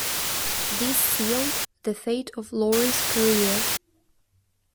This sealed the fate of Lawry's career.